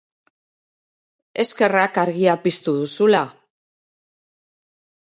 Eskerrak argia piztu duzula!